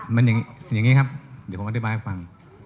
มันอย่างนี้ครับเดี๋ยวผมอธิบายให้ฟัง